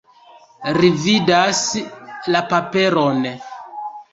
Ri vidas la paperon.